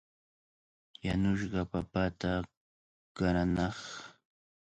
Yanushqa papata qaranaaq.